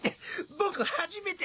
僕初めて！